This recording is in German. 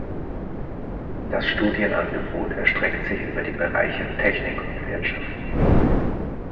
Das Studienangebot erstreckt sich über die Bereiche Technik und Wirtschaft.